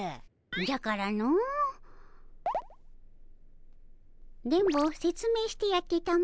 じゃからの電ボせつめいしてやってたも。